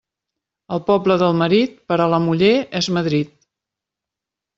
El poble del marit, per a la muller és Madrid.